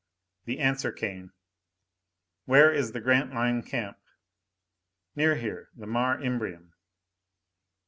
The answer came: Where is the Grantline Camp? _Near here. The Mare Imbrium.